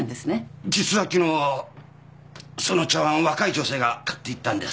実は昨日その茶わんを若い女性が買っていったんです。